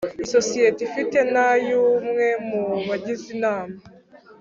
isosiyete ifite n ay umwe mu bagize Inama